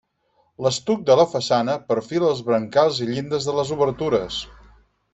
L'estuc de la façana perfila els brancals i llindes de les obertures.